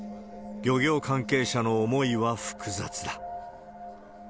漁業関係者の思いは複雑だ。